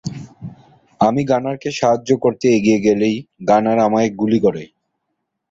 আমি গানারকে সাহায্য করতে এগিয়ে গেলেই গানার আমায় গুলি করে।